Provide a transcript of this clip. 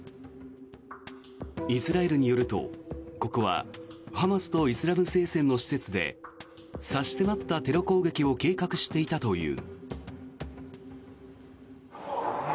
イスラエルによると、ここはハマスとイスラム聖戦の施設で差し迫ったテロ攻撃を計画していたという。